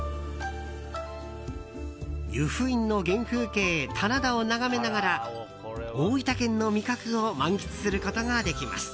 由布院の原風景棚田を眺めながら大分県の味覚を満喫することができます。